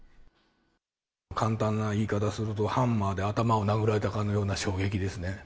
簡単な言い方すると、ハンマーで頭を殴られたかのような衝撃ですね。